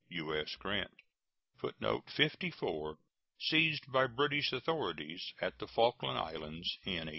U.S. GRANT. [Footnote 54: Seized by British authorities at the Falkland Islands in 1854.